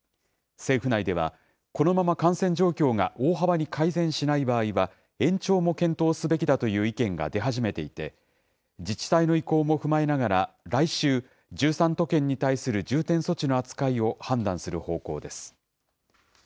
政府内では、このまま感染状況が大幅に改善しない場合は、延長も検討すべきだという意見が出始めていて、自治体の意向も踏まえながら、来週、１３都県に対する重点措置の扱いを判断する方向です。